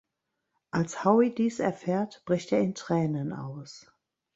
Als Howie dies erfährt, bricht er in Tränen aus.